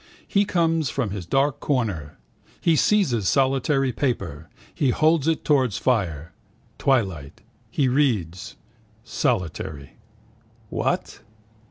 He comes from his dark corner. He seizes solitary paper. He holds it towards fire. Twilight. He reads. Solitary. What?